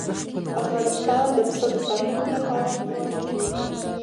افغانستان د پسه د ساتنې لپاره قوانین لري.